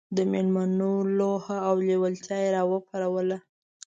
د مېلمنو لوهه او لېوالتیا یې راپاروله.